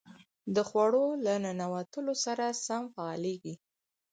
د خوړو له ننوتلو سره سم فعالېږي.